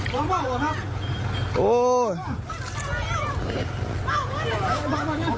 หล่อมาหรือครับ